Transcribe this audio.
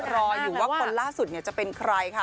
รออยู่ว่าคนล่าสุดจะเป็นใครค่ะ